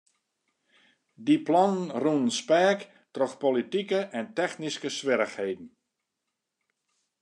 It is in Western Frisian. Dy plannen rûnen speak troch politike en technyske swierrichheden.